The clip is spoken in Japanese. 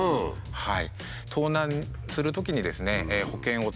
はい。